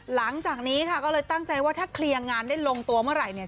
หลังจากนี้ค่ะก็เลยตั้งใจว่าถ้าเคลียร์งานได้ลงตัวเมื่อไหร่เนี่ย